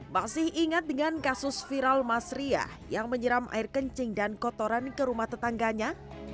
masih ingat dengan kasus viral mas ria yang menyiram air kencing dan kotoran ke rumah tetangganya